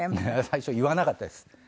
最初言わなかったです。